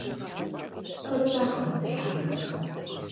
Куэд щӀакъым абы лъандэрэ.